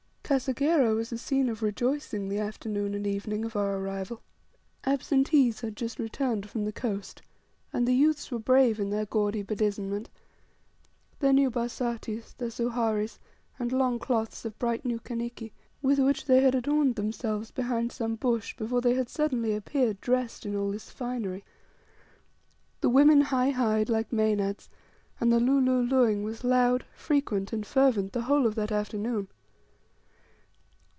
Kasegera was a scene of rejoicing the afternoon and evening of our arrival. Absentees had just returned from the coast, and the youths were brave in their gaudy bedizenment, their new barsatis, their soharis, and long cloths of bright new kaniki, with which they had adorned themselves behind some bush before they had suddenly appeared dressed in all this finery. The women "Hi hi'ed" like maenads, and the "Lu lu lu'ing" was loud, frequent, and fervent the whole of that afternoon.